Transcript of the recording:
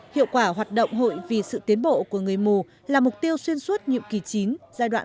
hiệu quả hoạt động hội vì sự tiến bộ của người mù là mục tiêu xuyên suốt nhiệm kỳ chín giai đoạn hai nghìn hai mươi hai nghìn hai mươi